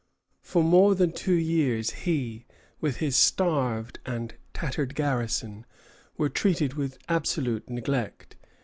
For more than two years he, with his starved and tattered garrison, were treated with absolute neglect.